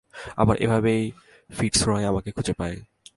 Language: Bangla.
আর এভাবেই ফিটজরয় আমাকে খুঁজে পায়।